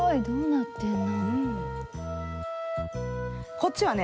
こっちはね